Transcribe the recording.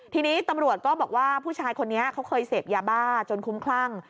ทีนี้ตำรวจก็บอกว่าผู้ชายคนนี้เขาเคยเสพยาบ้าจนคุ้มคลั่ง